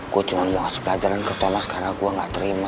gue cuma mau ngasih pelajaran ke thomas karena gue gak terima